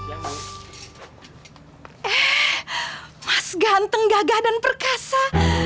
eh mas ganteng gagah dan perkasa